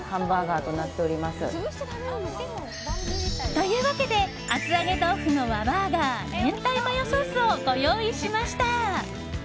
というわけで厚揚げとうふの和バーガー明太マヨソースをご用意しました。